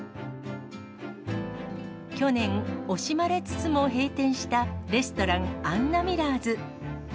去年、惜しまれつつも閉店したレストラン、アンナミラーズ。